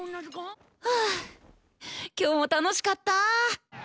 はぁ今日も楽しかったぁ！